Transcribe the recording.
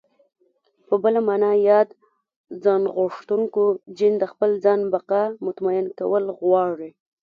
په بله مانا ياد ځانغوښتونکی جېن د خپل ځان بقا مطمينه کول غواړي.